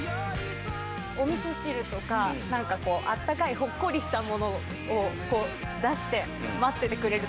おみそ汁とか、なんかこう、あったかい、ほっこりしたものを、出して、待っててくれる。